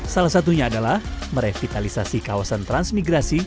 salah satunya adalah merevitalisasi kawasan transmigrasi